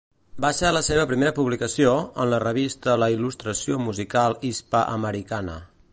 Va ser la seva primera publicació, en la revista La Il·lustració Musical Hispà-Americana.